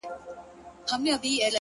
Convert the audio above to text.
شكر چي ښكلا يې خوښــه ســوېده’